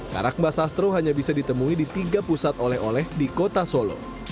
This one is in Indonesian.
karak mbak sastro hanya bisa ditemui di tiga pusat oleh oleh di kota solo